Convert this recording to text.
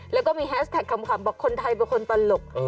แล้วก็มีแฮสแท็กคำบอกคนไทยเป็นคนตลก